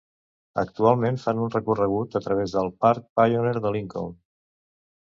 Actualment fan un recorregut a través del parc Pioneer de Lincoln.